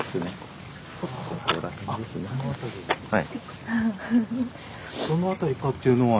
はい。